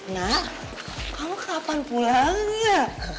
nah kamu kapan pulangnya